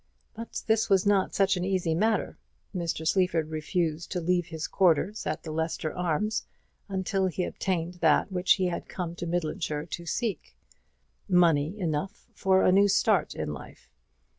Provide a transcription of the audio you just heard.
But this was not such an easy matter. Mr. Sleaford refused to leave his quarters at the Leicester Arms until he obtained that which he had come to Midlandshire to seek money enough for a new start in life.